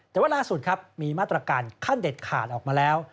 แต่ว่าล่าสุดครับมีมาตรการขั้นเด็ดขาดออกมาแล้ว